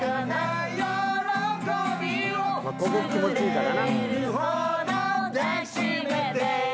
ここが気持ちいいからな。